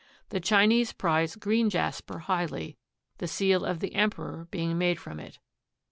The Chinese prize green jasper highly, the seal of the Emperor being made from it.